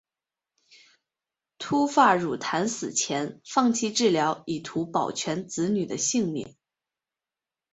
秃发傉檀死前放弃治疗以图保全子女的性命。